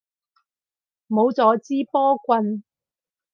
冇咗支波棍